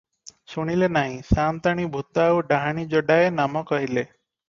ଶୁଣିଲେ ନାହିଁ, ସାଆନ୍ତାଣୀ ଭୂତ ଆଉ ଡାହାଣୀ ଯୋଡାଏ ନାମ କହିଲେ ।"